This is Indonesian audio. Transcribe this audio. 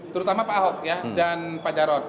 terutama pak ahok dan pak jarod